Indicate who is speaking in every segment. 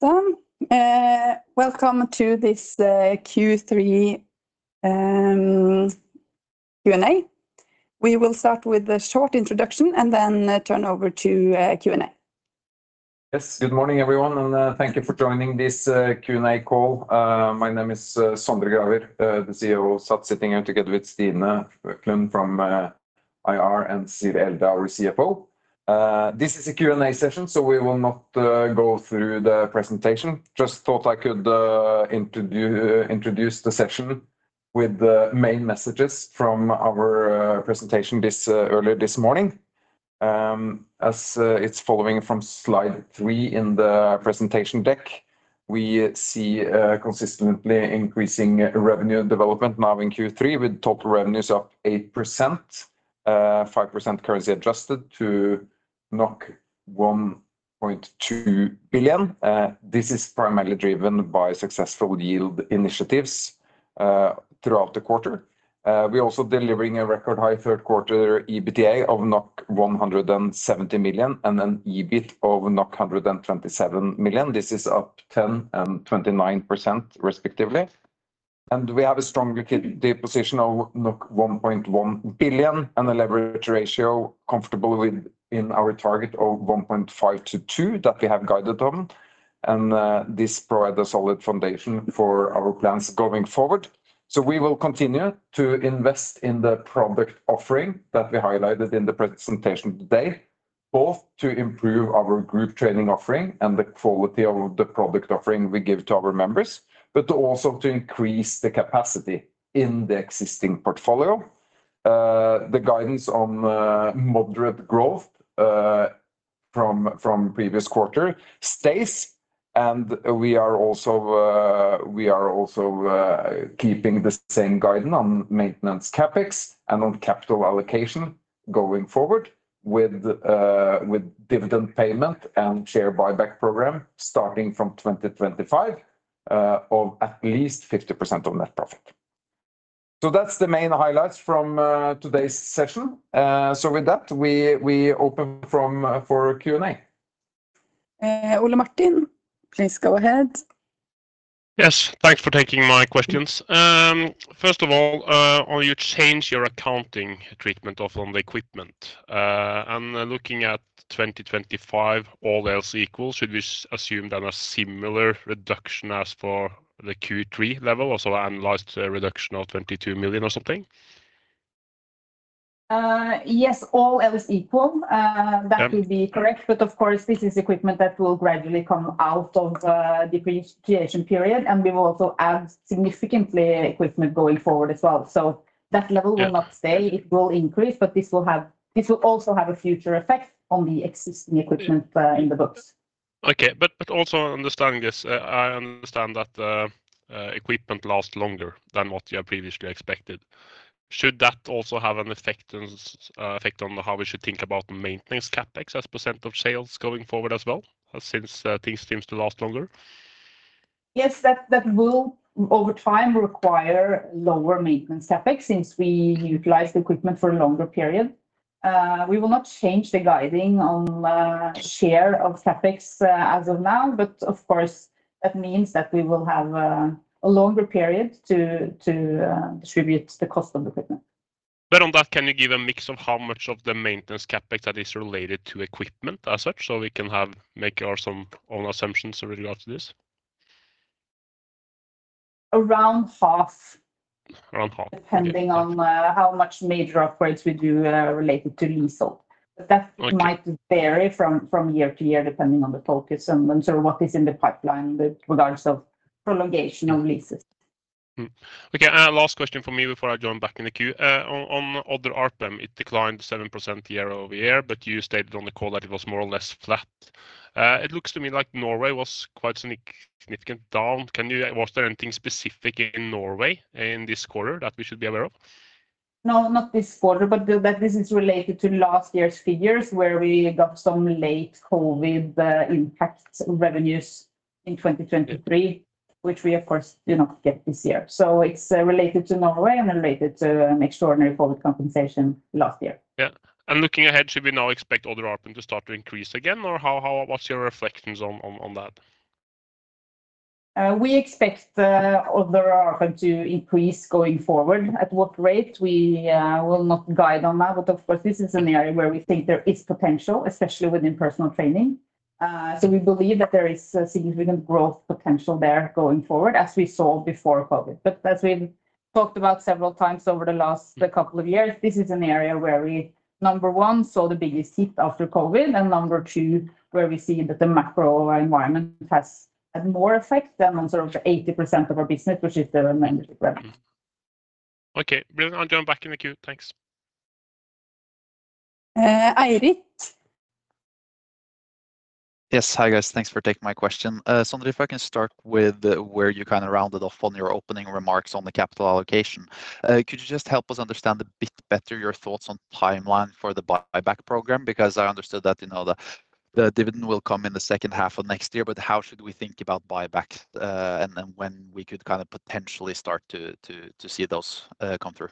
Speaker 1: Welcome to this Q3 Q&A. We will start with a short introduction and then turn over to Q&A.
Speaker 2: Yes, good morning everyone, and thank you for joining this Q&A call. My name is Sondre Gravir, the CEO of SATS, sitting here together with Stine Klund from IR and Cecilie Elde, our CFO. This is a Q&A session, so we will not go through the presentation. Just thought I could introduce the session with the main messages from our presentation earlier this morning. As it's following from slide three in the presentation deck, we see consistently increasing revenue development now in Q3, with total revenues up 8%, 5% currency adjusted to 1.2 billion. This is primarily driven by successful yield initiatives throughout the quarter. We are also delivering a record high third quarter EBITDA of 170 million and an EBIT of 127 million. This is up 10% and 29% respectively. We have a strong liquidity position of 1.1 billion and a leverage ratio comfortable within our target of 1.5-2 that we have guided on. This provides a solid foundation for our plans going forward. We will continue to invest in the product offering that we highlighted in the presentation today, both to improve our group training offering and the quality of the product offering we give to our members, but also to increase the capacity in the existing portfolio. The guidance on moderate growth from previous quarter stays, and we are also keeping the same guidance on maintenance CapEx and on capital allocation going forward with dividend payment and share buyback program starting from 2025 of at least 50% of net profit. That's the main highlights from today's session. With that, we open for Q&A.
Speaker 1: Ole Martin, please go ahead.
Speaker 3: Yes, thanks for taking my questions. First of all, are you changing your accounting treatment of the equipment? And looking at 2025, all else equal, should we assume then a similar reduction as for the Q3 level, also an annualized reduction of 22 million or something?
Speaker 4: Yes, all else equal, that would be correct. But of course, this is equipment that will gradually come out of the depreciation period, and we will also add significantly equipment going forward as well. So that level will not stay. It will increase, but this will also have a future effect on the existing equipment in the books.
Speaker 3: Okay, but also understanding this, I understand that equipment lasts longer than what you have previously expected. Should that also have an effect on how we should think about maintenance CapEx as percent of sales going forward as well, since things seem to last longer?
Speaker 4: Yes, that will over time require lower maintenance CapEx since we utilize the equipment for a longer period. We will not change the guiding on share of CapEx as of now, but of course, that means that we will have a longer period to distribute the cost of equipment.
Speaker 3: But on that, can you give a mix of how much of the maintenance CapEx that is related to equipment as such, so we can make our own assumptions with regards to this?
Speaker 4: Around half.
Speaker 3: Around half.
Speaker 4: Depending on how much major upgrades we do related to leasehold. That might vary from year to year depending on the focus and sort of what is in the pipeline with regards to prolongation of leases.
Speaker 3: Okay, last question for me before I join back in the queue. On Other operating income, it declined 7% year over year, but you stated on the call that it was more or less flat. It looks to me like Norway was quite significant down. Was there anything specific in Norway in this quarter that we should be aware of?
Speaker 4: No, not this quarter, but this is related to last year's figures where we got some late COVID impact revenues in 2023, which we, of course, did not get this year. So it's related to Norway and related to extraordinary COVID compensation last year.
Speaker 3: Yeah, and looking ahead, should we now expect Other operating income to start to increase again, or what's your reflections on that?
Speaker 4: We expect other operating income to increase going forward. At what rate? We will not guide on that, but of course, this is an area where we think there is potential, especially within personal training. So we believe that there is significant growth potential there going forward, as we saw before COVID. But as we've talked about several times over the last couple of years, this is an area where we, number one, saw the biggest hit after COVID, and number two, where we see that the macro environment has had more effect than on sort of 80% of our business, which is the membership revenue.
Speaker 3: Okay, I'll join back in the queue. Thanks.
Speaker 1: Eirik.
Speaker 5: Yes, hi guys, thanks for taking my question. Sondre, if I can start with where you kind of rounded off on your opening remarks on the capital allocation, could you just help us understand a bit better your thoughts on the timeline for the buyback program? Because I understood that the dividend will come in the second half of next year, but how should we think about buyback and when we could kind of potentially start to see those come through?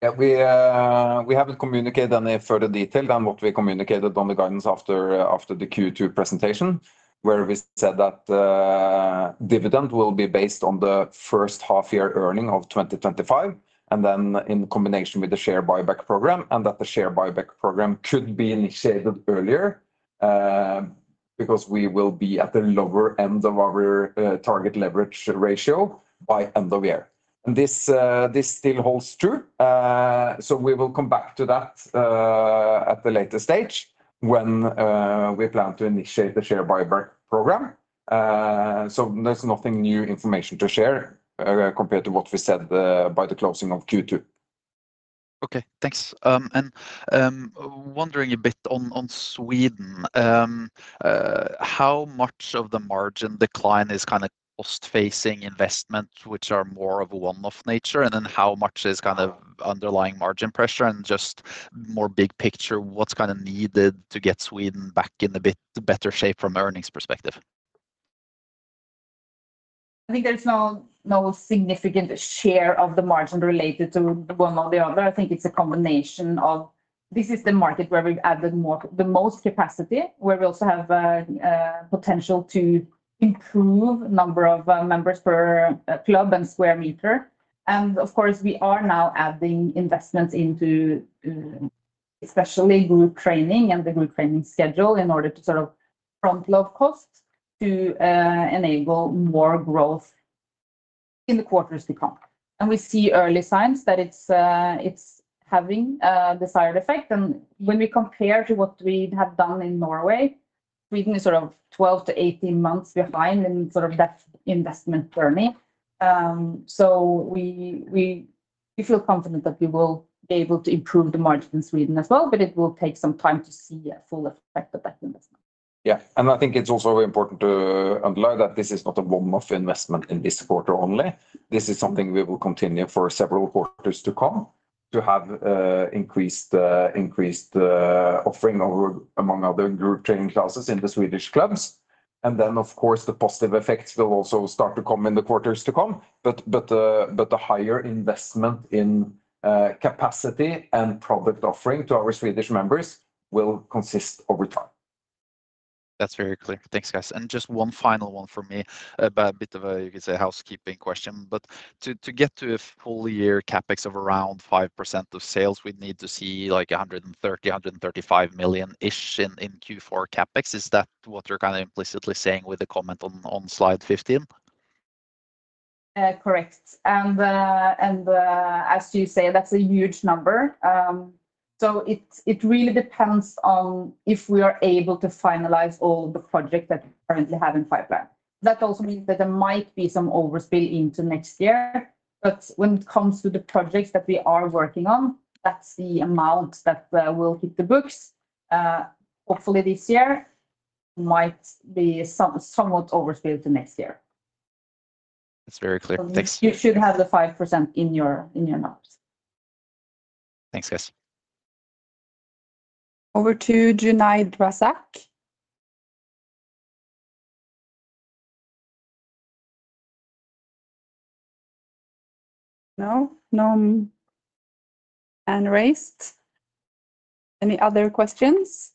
Speaker 2: Yeah, we haven't communicated any further detail than what we communicated on the guidance after the Q2 presentation, where we said that dividend will be based on the first half-year earnings of 2025, and then in combination with the share buyback program, and that the share buyback program could be initiated earlier because we will be at the lower end of our target leverage ratio by end of year. And this still holds true, so we will come back to that at the later stage when we plan to initiate the share buyback program. So there's no new information to share compared to what we said by the closing of Q2.
Speaker 5: Okay, thanks and wondering a bit on Sweden, how much of the margin decline is kind of cost-facing investments, which are more of a one-off nature, and then how much is kind of underlying margin pressure, and just more big picture, what's kind of needed to get Sweden back in a bit better shape from an earnings perspective?
Speaker 4: I think there's no significant share of the margin related to one or the other. I think it's a combination of this is the market where we've added the most capacity, where we also have potential to improve the number of members per club and square meter, and of course, we are now adding investments into especially group training and the group training schedule in order to sort of front-load costs to enable more growth in the quarters to come, and we see early signs that it's having a desired effect, and when we compare to what we have done in Norway, Sweden is sort of 12 to 18 months behind in sort of that investment journey, so we feel confident that we will be able to improve the margin in Sweden as well, but it will take some time to see a full effect of that investment.
Speaker 2: Yeah, and I think it's also important to underline that this is not a one-off investment in this quarter only. This is something we will continue for several quarters to come to have increased offering among other group training classes in the Swedish clubs. And then, of course, the positive effects will also start to come in the quarters to come. But the higher investment in capacity and product offering to our Swedish members will persist over time.
Speaker 5: That's very clear. Thanks, guys. And just one final one for me, a bit of a, you could say, housekeeping question, but to get to a full year CapEx of around 5% of sales, we'd need to see like 130-135 million-ish in Q4 CapEx. Is that what you're kind of implicitly saying with the comment on slide 15?
Speaker 4: Correct. And as you say, that's a huge number. So it really depends on if we are able to finalize all the projects that we currently have in pipeline. That also means that there might be some overspill into next year. But when it comes to the projects that we are working on, that's the amount that will hit the books. Hopefully this year might be somewhat overspill to next year.
Speaker 5: That's very clear. Thanks.
Speaker 1: You should have the 5% in your notes.
Speaker 5: Thanks, guys.
Speaker 6: Over to Junaid Razak. No? None? Unraised? Any other questions?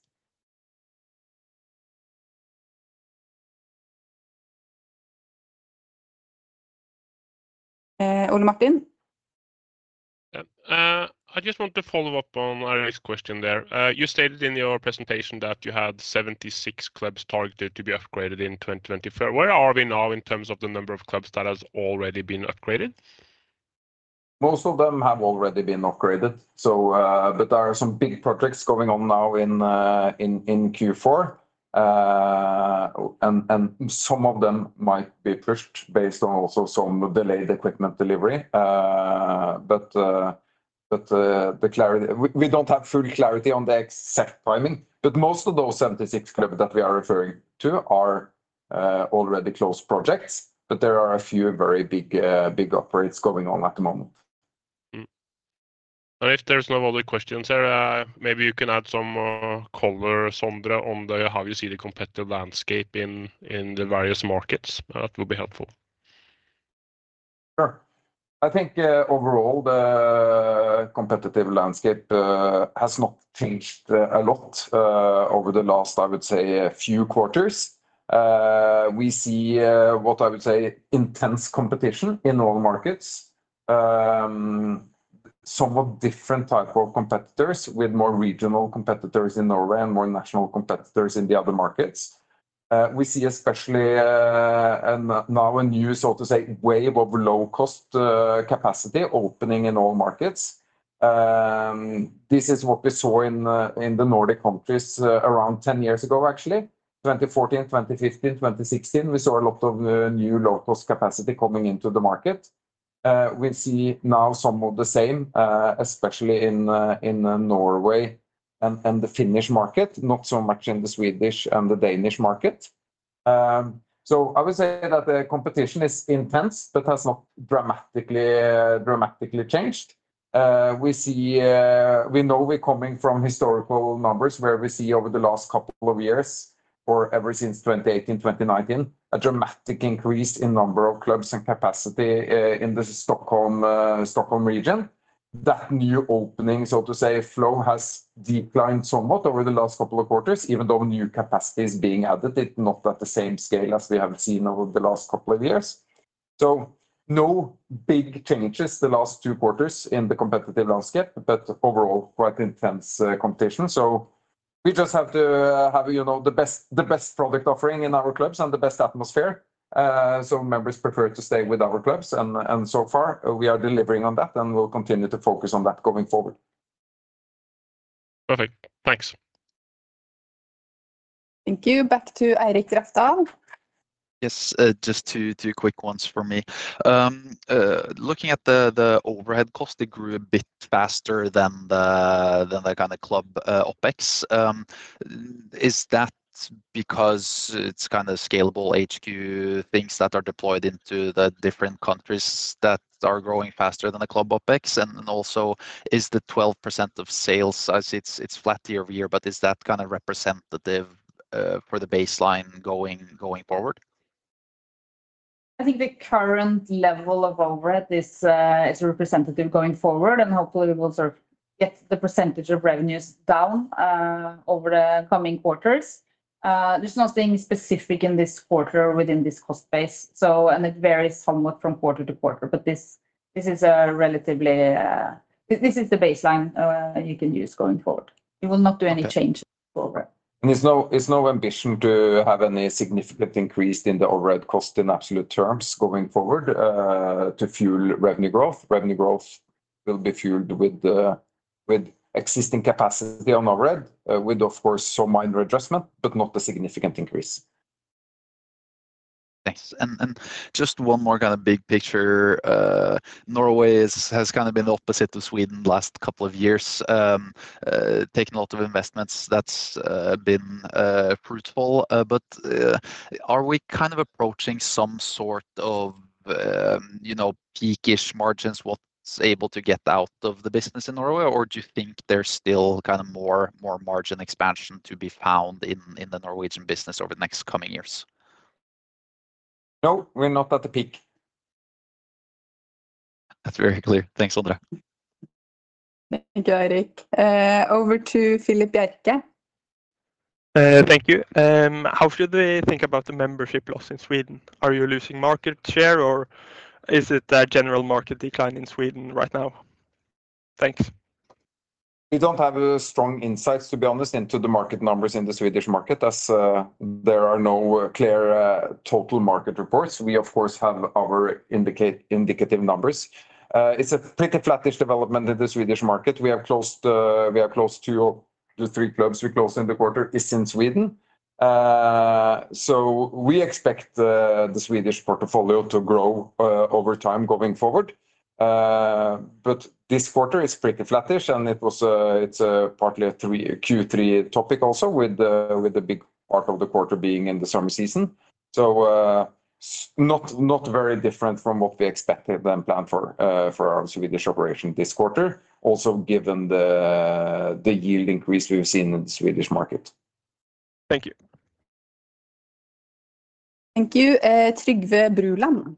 Speaker 6: Ole Martin?
Speaker 3: I just want to follow up on Eirik's question there. You stated in your presentation that you had 76 clubs targeted to be upgraded in 2024. Where are we now in terms of the number of clubs that have already been upgraded?
Speaker 2: Most of them have already been upgraded. But there are some big projects going on now in Q4. And some of them might be pushed based on also some delayed equipment delivery. But we don't have full clarity on the exact timing. But most of those 76 clubs that we are referring to are already closed projects. But there are a few very big upgrades going on at the moment.
Speaker 3: If there's no other questions here, maybe you can add some color, Sondre, on how you see the competitive landscape in the various markets. That will be helpful.
Speaker 2: Sure. I think overall the competitive landscape has not changed a lot over the last, I would say, few quarters. We see what I would say intense competition in all markets. Some different type of competitors with more regional competitors in Norway and more national competitors in the other markets. We see especially now a new, so to say, wave of low-cost capacity opening in all markets. This is what we saw in the Nordic countries around 10 years ago, actually. 2014, 2015, 2016, we saw a lot of new low-cost capacity coming into the market. We see now some of the same, especially in Norway and the Finnish market, not so much in the Swedish and the Danish market. So I would say that the competition is intense, but has not dramatically changed. We know we're coming from historical numbers where we see over the last couple of years or ever since 2018, 2019, a dramatic increase in number of clubs and capacity in the Stockholm region. That new opening, so to say, flow has declined somewhat over the last couple of quarters, even though new capacity is being added. It's not at the same scale as we have seen over the last couple of years. So no big changes the last two quarters in the competitive landscape, but overall quite intense competition. So we just have to have the best product offering in our clubs and the best atmosphere. So members prefer to stay with our clubs. And so far, we are delivering on that and will continue to focus on that going forward.
Speaker 3: Perfect. Thanks.
Speaker 1: Thank you. Back to Eirik Rafdal.
Speaker 5: Yes, just two quick ones for me. Looking at the overhead cost, it grew a bit faster than the kind of club OpEx. Is that because it's kind of scalable HQ things that are deployed into the different countries that are growing faster than the club OpEx? And also, is the 12% of sales, it's flat year over year, but is that kind of representative for the baseline going forward?
Speaker 4: I think the current level of overhead is representative going forward, and hopefully we will sort of get the percentage of revenues down over the coming quarters. There's nothing specific in this quarter within this cost base. And it varies somewhat from quarter to quarter, but this is a relatively, this is the baseline you can use going forward. We will not do any change forward.
Speaker 2: There's no ambition to have any significant increase in the overhead cost in absolute terms going forward to fuel revenue growth. Revenue growth will be fueled with existing capacity on overhead, with, of course, some minor adjustment, but not a significant increase.
Speaker 5: Thanks. And just one more kind of big picture. Norway has kind of been the opposite of Sweden the last couple of years, taking a lot of investments. That's been fruitful. But are we kind of approaching some sort of peak-ish margins? What's able to get out of the business in Norway, or do you think there's still kind of more margin expansion to be found in the Norwegian business over the next coming years?
Speaker 2: No, we're not at the peak.
Speaker 5: That's very clear. Thanks, Sondre.
Speaker 1: Thank you, Eirik. Over to Filip Bjerke.
Speaker 7: Thank you. How should we think about the membership loss in Sweden? Are you losing market share, or is it a general market decline in Sweden right now? Thanks.
Speaker 2: We don't have strong insights, to be honest, into the market numbers in the Swedish market, as there are no clear total market reports. We, of course, have our indicative numbers. It's a pretty flattish development in the Swedish market. We are close to the three clubs we closed in the quarter in Sweden. So we expect the Swedish portfolio to grow over time going forward. But this quarter is pretty flattish, and it's partly a Q3 topic also, with a big part of the quarter being in the summer season. So not very different from what we expected and planned for our Swedish operation this quarter, also given the yield increase we've seen in the Swedish market.
Speaker 7: Thank you.
Speaker 1: Thank you. Trygve Bruland.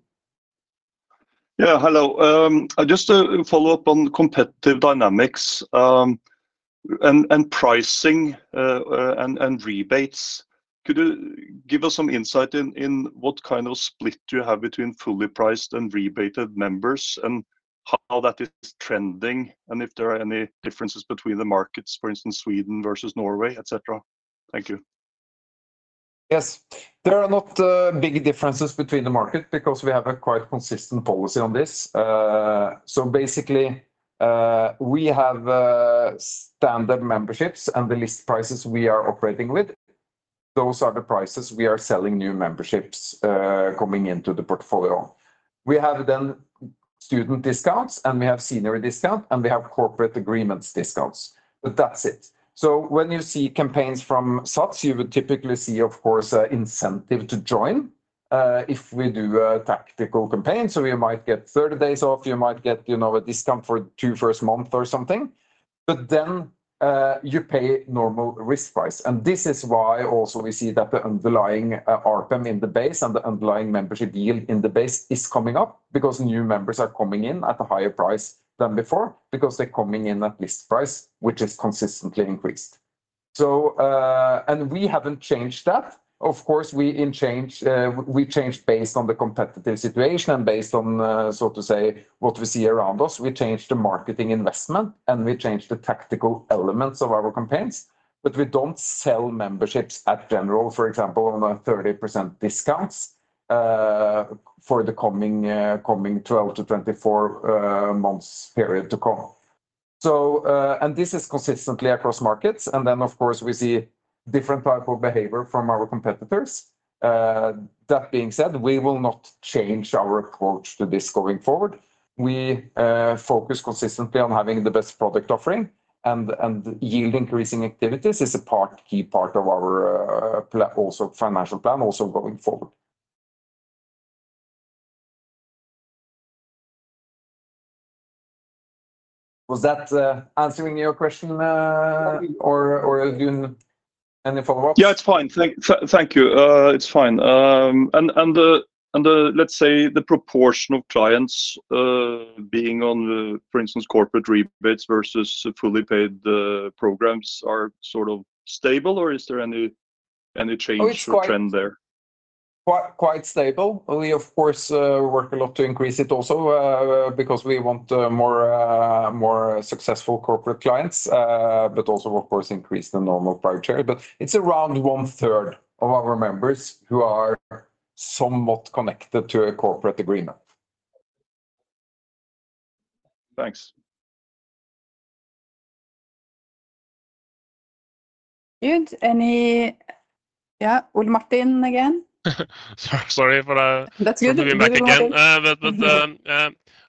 Speaker 8: Yeah, hello. Just to follow up on competitive dynamics and pricing and rebates, could you give us some insight in what kind of split you have between fully priced and rebated members and how that is trending, and if there are any differences between the markets, for instance, Sweden versus Norway, etc.? Thank you.
Speaker 2: Yes. There are not big differences between the markets because we have a quite consistent policy on this. So basically, we have standard memberships and the list prices we are operating with. Those are the prices we are selling new memberships coming into the portfolio. We have then student discounts, and we have senior discounts, and we have corporate agreements discounts. But that's it. So when you see campaigns from SATS, you would typically see, of course, an incentive to join if we do a tactical campaign. So you might get 30 days off, you might get a discount for the two first months or something. But then you pay normal list price. And this is why also we see that the underlying RPM in the base and the underlying membership yield in the base is coming up because new members are coming in at a higher price than before because they're coming in at list price, which is consistently increased. And we haven't changed that. Of course, we changed based on the competitive situation and based on, so to say, what we see around us. We changed the marketing investment, and we changed the tactical elements of our campaigns. But we don't sell memberships at general, for example, on a 30% discounts for the coming 12 to 24 months period to come. And this is consistently across markets. And then, of course, we see different types of behavior from our competitors. That being said, we will not change our approach to this going forward. We focus consistently on having the best product offering, and yield-increasing activities is a key part of our financial plan also going forward. Was that answering your question, or do you have any follow-up?
Speaker 8: Yeah, it's fine. Thank you. It's fine. And let's say the proportion of clients being on, for instance, corporate rebates versus fully paid programs are sort of stable, or is there any change or trend there?
Speaker 2: Quite stable. We, of course, work a lot to increase it also because we want more successful corporate clients, but also, of course, increase the normal price share. But it's around one-third of our members who are somewhat connected to a corporate agreement.
Speaker 8: Thanks.
Speaker 1: Good. Any Ole Martin again?
Speaker 3: Sorry for that.
Speaker 1: That's good.
Speaker 3: But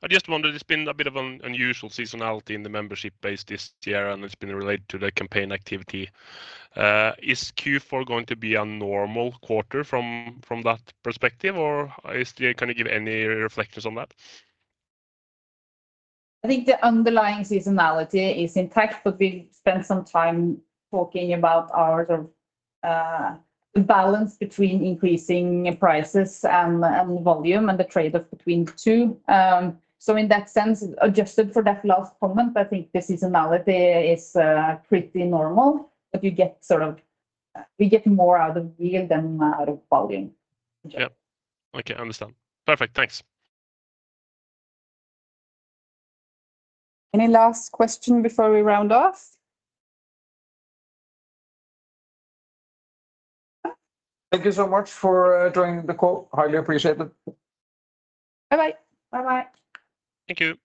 Speaker 3: I just wondered, it's been a bit of an unusual seasonality in the membership base this year, and it's been related to the campaign activity. Is Q4 going to be a normal quarter from that perspective, or can you give any reflections on that?
Speaker 4: I think the underlying seasonality is intact, but we spent some time talking about the balance between increasing prices and volume and the trade-off between the two. So in that sense, adjusted for that last comment, I think the seasonality is pretty normal, but we get more out of yield than out of volume.
Speaker 3: Yeah. Okay, I understand. Perfect. Thanks.
Speaker 1: Any last question before we round off?
Speaker 2: Thank you so much for joining the call. Highly appreciate it.
Speaker 1: Bye-bye.
Speaker 2: Thank you.